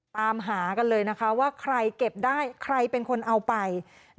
ตามหากันเลยนะคะว่าใครเก็บได้ใครเป็นคนเอาไป